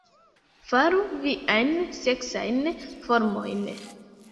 Faru viajn seksajn formojn